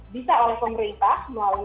bisa oleh pemerintah melalui